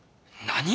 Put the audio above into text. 何！？